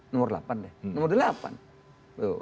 nomor delapan deh